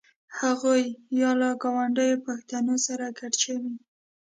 هغوی یا له ګاونډیو پښتنو سره ګډ شوي.